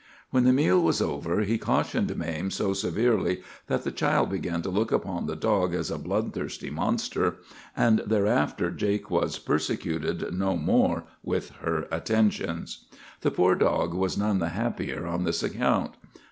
"When the meal was over he cautioned Mame so severely that the child began to look upon the dog as a bloodthirsty monster, and thereafter Jake was persecuted no more with her attentions. "The poor dog was none the happier on this account.